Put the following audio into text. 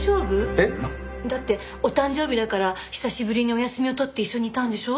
えっ？だってお誕生日だから久しぶりにお休みを取って一緒にいたんでしょ？